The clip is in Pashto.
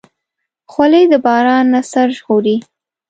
خولۍ د باران نه سر ژغوري.